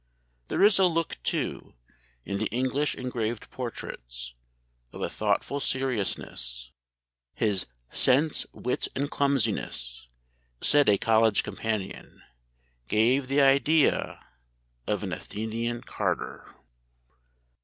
There is a look too, in the English engraved portraits, of a thoughtful seriousness. His 'sense, wit, and clumsiness,' said a college companion, gave 'the idea of an Athenian carter.